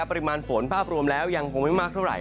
ปริมาณฝนภาพรวมแล้วยังคงไม่มากเท่าไห